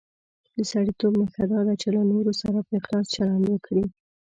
د سړیتوب نښه دا ده چې له نورو سره په اخلاص چلند وکړي.